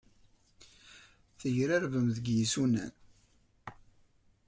Tegrarbem deg yisunan.